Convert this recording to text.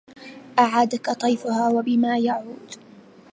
أعادك طيفها وبما يعود